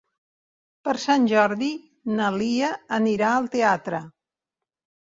Per Sant Jordi na Lia anirà al teatre.